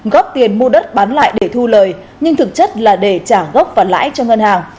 góp tiền mua đất bán lại để thu lời nhưng thực chất là để trả gốc và lãi cho ngân hàng